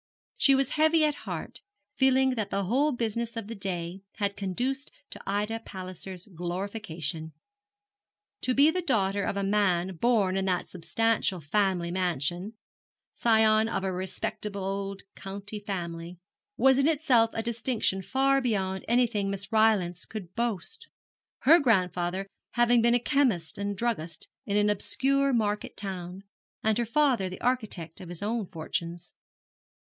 She was heavy at heart, feeling that the whole business of the day had conduced to Ida Palliser's glorification. To be the daughter of a man born in that substantial family mansion scion of a respectable old county family was in itself a distinction far beyond anything Miss Rylance could boast, her grandfather having been a chemist and druggist in an obscure market town, and her father the architect of his own fortunes.